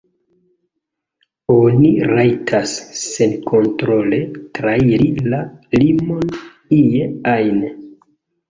Oni rajtas senkontrole trairi la limon ie ajn.